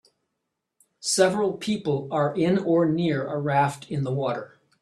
Several people are in or near a raft in the water